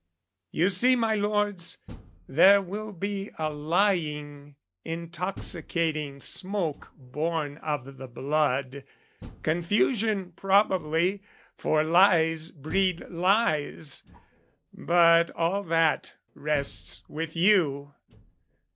You see, my lords, There will be a lying intoxicating smoke Born of the blood, confusion probably, For lies breed lies but all that rests with you!